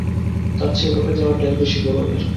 তার চেয়ে এভাবে যাওয়া ঢের বেশি গৌরবের।